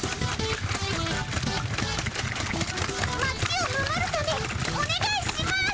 町を守るためおねがいします。